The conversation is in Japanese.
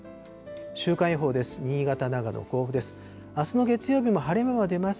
週間予報です。